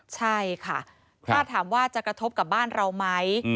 ใช่ค่ะถ้าถามว่าจะกระทบกับบ้านเราไหม